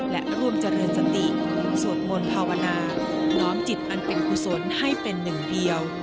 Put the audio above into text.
และร่วมเจริญสติสวดมนต์ภาวนาน้อมจิตอันเป็นกุศลให้เป็นหนึ่งเดียว